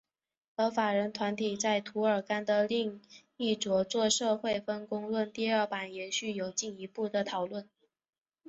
而法人团体在涂尔干的另一着作社会分工论第二版序言有进一步的讨论。